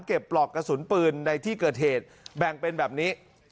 ปลอกกระสุนปืนในที่เกิดเหตุแบ่งเป็นแบบนี้